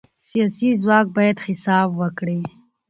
سیاسي ځواک باید حساب ورکړي